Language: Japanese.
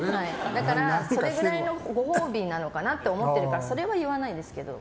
だからそれくらいのご褒美なのかなって思ってるからそれは言わないんですけど。